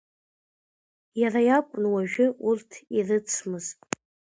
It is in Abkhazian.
Иара иакәын уажәы урҭ ирыцмыз.